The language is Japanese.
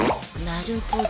なるほど。